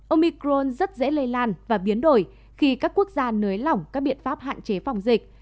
ông micron rất dễ lây lan và biến đổi khi các quốc gia nới lỏng các biện pháp hạn chế phòng dịch